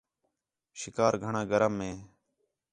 شِکار گھݨاں گرم ہِے